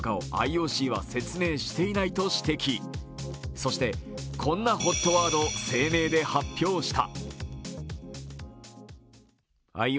そして、こんなＨＯＴワードを声明で発表した。